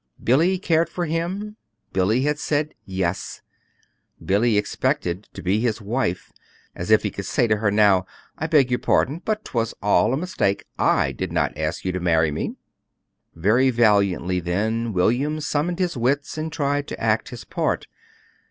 Billy cared for him. Billy had said "yes." Billy expected to be his wife. As if he could say to her now: "I beg your pardon, but 'twas all a mistake. I did not ask you to marry me." Very valiantly then William summoned his wits and tried to act his part.